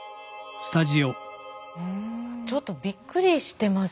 ちょっとびっくりしてます。